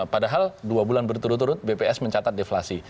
padahal dua bulan berturut turut bps mencatat deflasi